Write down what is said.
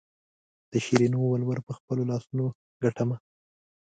د شیرینو ولور په خپلو لاسو ګټمه.